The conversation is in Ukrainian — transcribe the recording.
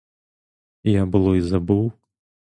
Я було й забув!